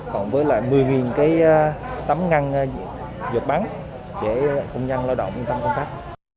còn với lại một mươi tấm ngăn dột bắn để công nhân lao động yên tâm công tác